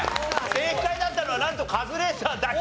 正解だったのはなんとカズレーザーだけ。